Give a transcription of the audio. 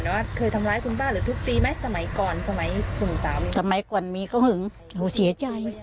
แล้วเสียใจแล้วก็มีเป็นไง